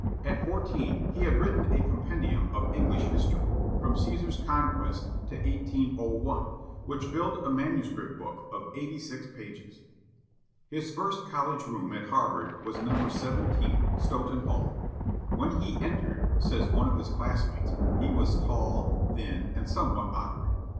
At fourteen he had written a compendium of English history, from Cæsar's conquest to 1801, which filled a manuscript book of eighty six pages. His first college room at Harvard was No. 17 Stoughton Hall. "When he entered," says one of his class mates, "he was tall, thin, and somewhat awkward.